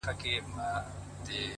ه ستا د سترگو احترام نه دی؛ نو څه دی؛